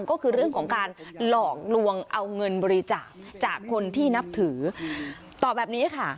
ก็คือเรื่องของการหลอกลวงเอาเงินบริจาคจากคนที่นับถือตอบแบบนี้ค่ะ